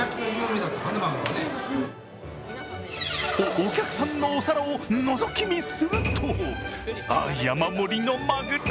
お客さんのお皿をのぞき見すると、山盛りのまぐろ。